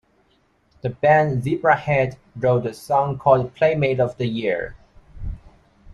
The band Zebrahead wrote a song called Playmate of the Year.